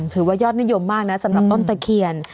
ถือว่ายอดนิยมมากนะสำหรับต้นตะเคียน